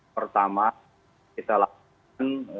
pertama kita lakukan